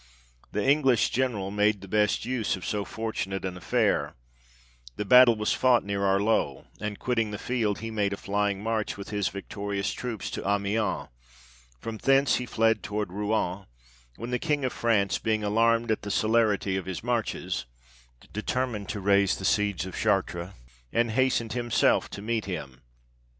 The English General made the best use of so fortunate an affair ; the battle was fought near Arleux, and quitting the field, he made a flying march with his victorious troops to Amiens, from thence he flew towards Rouen ; when the King of France, being alarmed at the celerity of his marches, determined to raise the siege of Chartres, and hasten himself to meet him.